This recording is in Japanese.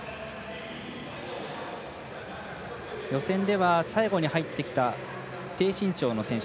予選では最後に入ってきた低身長の選手